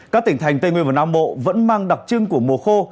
các tỉnh thành tây nguyên và nam bộ vẫn mang đặc trưng của mùa khô